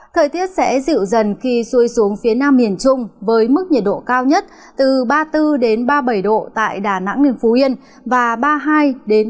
thời tiết sẽ dịu dần khi xuôi xuống phía nam miền trung với mức nhiệt độ cao nhất từ ba mươi bốn ba mươi bảy độ tại đà nẵng nguyên phú yên